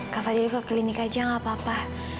kak fadil ke klinik aja gak apa apa